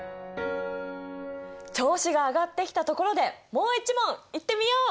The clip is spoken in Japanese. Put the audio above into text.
調子が上がってきたところでもう一問いってみよう！